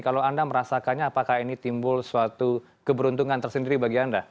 kalau anda merasakannya apakah ini timbul suatu keberuntungan tersendiri bagi anda